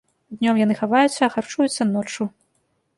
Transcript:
Днём яны хаваюцца, а харчуюцца ноччу.